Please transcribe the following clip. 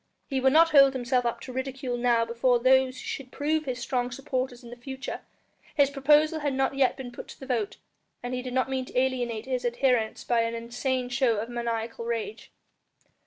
He would not hold himself up to ridicule now before those who should prove his strong supporters in the future; his proposal had not yet been put to the vote, and he did not mean to alienate his adherents by an insane show of maniacal rage.